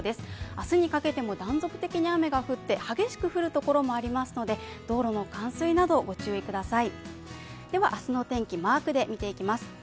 明日にかけても断続的に雨が降って激しく降るところもありますので道路の冠水など、ご注意ください。